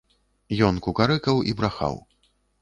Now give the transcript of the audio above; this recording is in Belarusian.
Ён кукарэкаў і брахаў.